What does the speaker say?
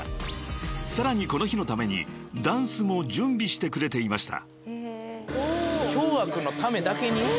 ［さらにこの日のためにダンスも準備してくれていました］